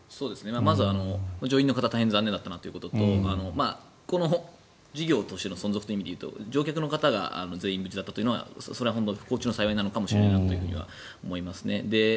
まず、乗員の方大変残念だったなということとこの事業としての存続で言うと乗客の方が全員無事だったというのはそれは不幸中の幸いなのかもしれないとは思いますね。